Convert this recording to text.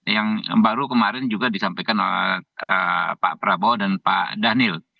yang baru kemarin juga disampaikan oleh pak prabowo dan pak daniel